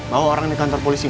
bawa orangnya ke kantor polisi